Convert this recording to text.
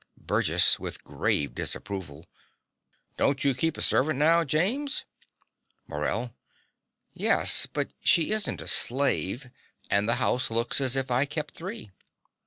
BURGESS (with grave disapproval). Don't you keep a servant now, James? MORELL. Yes; but she isn't a slave; and the house looks as if I kept three.